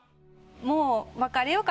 もう。